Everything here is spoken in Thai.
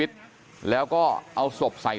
กลุ่มตัวเชียงใหม่